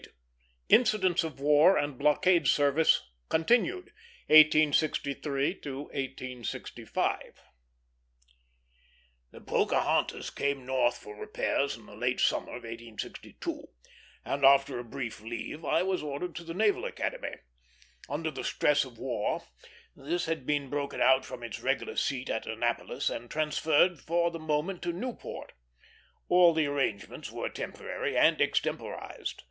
VIII INCIDENTS OF WAR AND BLOCKADE SERVICE CONTINUED 1863 1865 The Pocahontas came North for repairs in the late summer of 1862, and after a brief leave I was ordered to the Naval Academy. Under the stress of the war, this had been broken out from its regular seat at Annapolis and transferred for the moment to Newport. All the arrangements were temporary and extemporized.